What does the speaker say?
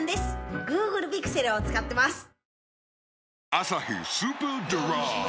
「アサヒスーパードライ」